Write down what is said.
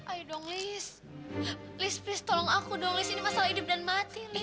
ayo dong liz liz please tolong aku dong liz ini masalah hidup dan mati liz